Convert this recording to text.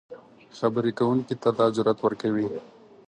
خبرې کوونکي ته دا جرات ورکوي